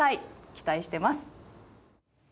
期待してます。